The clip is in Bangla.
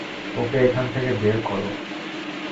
ওকে এখান থেকে বের করো।